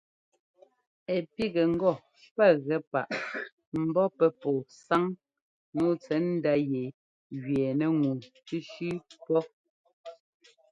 Ɛ́ pígɛ ŋgɔ pɛ́ gɛ páꞌ ḿbɔ́ pɛ́ pɔ́ɔ sáŋ nǔu tsɛ̌ndá yɛ gẅɛɛnɛ́ ŋu sʉ́sʉ́ pɔ́.